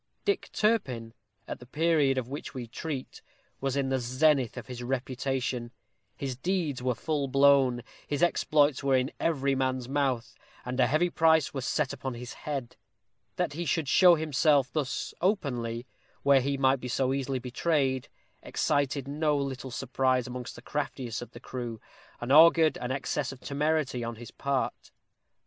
Dick Turpin, at the period of which we treat, was in the zenith of his reputation. His deeds were full blown; his exploits were in every man's mouth; and a heavy price was set upon his head. That he should show himself thus openly, where he might be so easily betrayed, excited no little surprise among the craftiest of the crew, and augured an excess of temerity on his part.